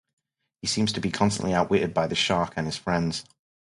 He seems to be constantly outwitted by the shark and his friends.